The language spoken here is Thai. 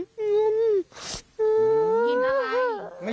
อยากได้ร่างอยู่ตรงไหน